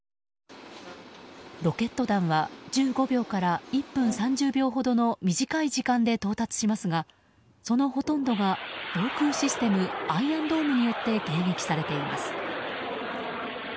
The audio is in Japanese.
ロケット弾は１５秒から１分３０秒ほどの短い時間で到達しますがそのほとんどが、防空システムアイアンドームによって迎撃されています。